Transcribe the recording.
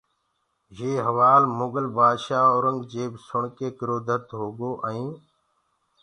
يي هوآل مُگل بآدشآه اورنٚگجيب سُڻڪي ڪروڌِتِ هوگوائينٚ